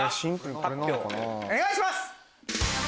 発表お願いします！